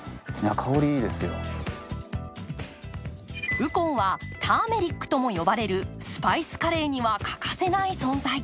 ウコンはターメリックとも呼ばれるスパイスカレーには欠かせない存在。